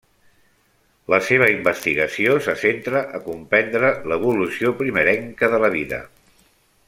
La seva investigació se centra a comprendre l'evolució primerenca de la vida.